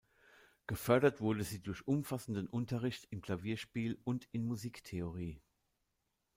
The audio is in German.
Gefördert wurde sie durch umfassenden Unterricht im Klavierspiel und in Musiktheorie.